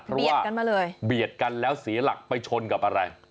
เพราะว่าเบียดกันมาเลยเบียดกันแล้วศรีหลักไปชนกับอะไร